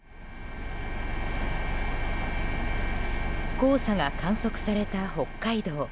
黄砂が観測された北海道。